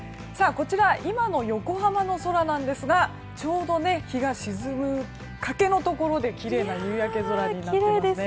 こちら今の横浜の空なんですがちょうど日が沈みかけのところできれいな夕焼け空ですね。